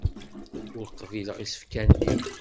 Ur qbileɣ isefka-nni.